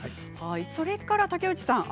それから竹内さん